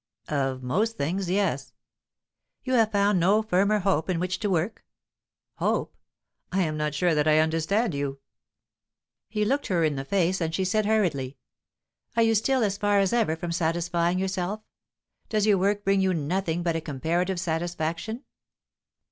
"Of most things, yes." "You have found no firmer hope in which to work?" "Hope? I am not sure that I understand you." He looked her in the face, and she said hurriedly: "Are you still as far as ever from satisfying yourself? Does your work bring you nothing but a comparative satisfaction?"